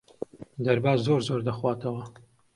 دەرباز زۆر زۆر دەخواتەوە.